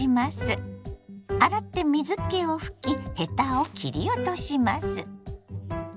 洗って水けを拭きヘタを切り落とします。